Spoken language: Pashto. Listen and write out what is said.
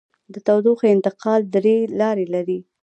د تودوخې انتقال درې لارې لري.